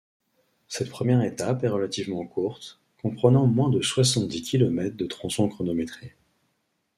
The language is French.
Cette première étape est relativement courte, comprenant moins de soixante-dix kilomètres de tronçons chronométrés.